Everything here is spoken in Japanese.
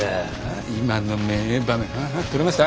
今の名場面撮れました？